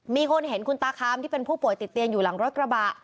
มีคนเห็นคุณตาคามที่เป็นผู้ป่วยติดเตียงอยู่หลังรถกระบะ